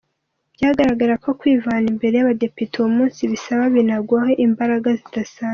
Byagaragaraga ko kwivana imbere y’abadepite uwo munsi bisaba Binagwaho imbaraga zidasanzwe.